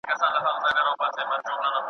دا متل مو د نیکونو له ټبر دی .